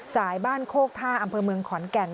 สายบ้านโคกท่าอำเภอเมืองขอนแก่น